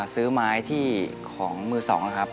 ซื้อไม้ที่ของมือ๒นะครับ